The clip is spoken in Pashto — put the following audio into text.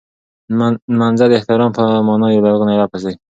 نمځنه د احترام په مانا یو لرغونی لفظ دی.